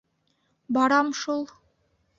- Барам шул.